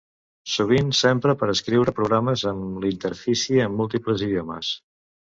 Sovint s'empra per a escriure programes amb interfície en múltiples idiomes.